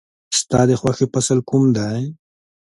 ستا د خوښې فصل کوم دی؟